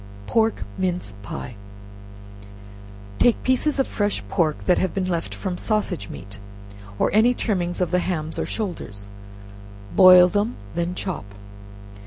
Pork Mince Pies. Take pieces of fresh pork that have been left from sausage meat, or any trimmings of the hams or shoulders; boil them, then chop.